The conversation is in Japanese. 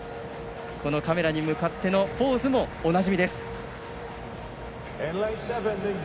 カメラに向かってのポーズもおなじみです。